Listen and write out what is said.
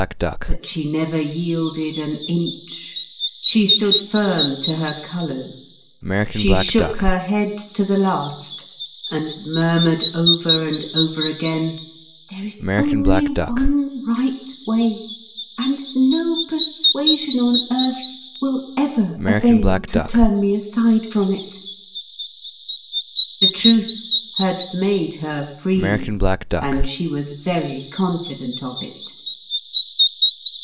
But she never yielded an inch. She stood firm to her colours. She shook her head to the last, and murmured over and over again, "There is only one right way, and no persuasion on earth will ever avail to turn me aside from it." The Truth had made her Free, and she was very confident of it.